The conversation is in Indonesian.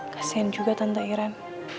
kasian juga tante iren